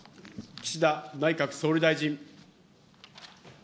岸田内閣総理大臣。